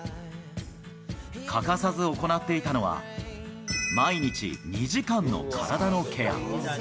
欠かさず行っていたのは、毎日２時間の体のケア。